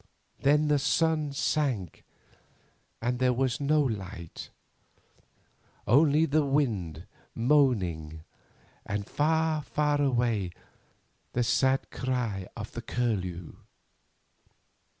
Then the sun sank, and there was no light, only the wind moaning, and far, far away the sad cry of the curlew."